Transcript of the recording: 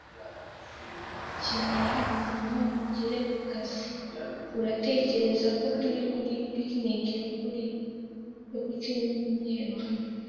Kenyera hanyuma ugere ku kazi. Uratekereza ko turi kuri picnic yo ku cyumweru hano?